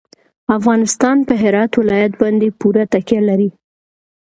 افغانستان په هرات ولایت باندې پوره تکیه لري.